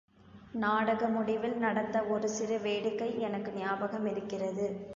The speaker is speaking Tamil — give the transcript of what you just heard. நாடக முடிவில் நடந்த ஒரு சிறு வேடிக்கை எனக்கு ஞாபகமிருக்கிறது.